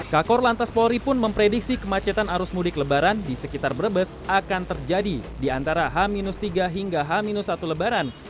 kakor lantas polri pun memprediksi kemacetan arus mudik lebaran di sekitar brebes akan terjadi di antara h tiga hingga h satu lebaran